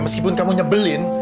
meskipun kamu nyebelin